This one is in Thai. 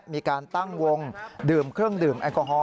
มีการตั้งวงดื่มเครื่องดื่มแอลกอฮอล